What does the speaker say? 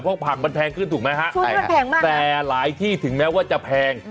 เพราะขามาแพงขึ้นถูกไหมค่ะแต่หลายที่ถึงแม้ว่าจะแพง